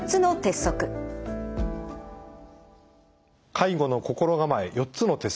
「介護の心構え４つの鉄則」。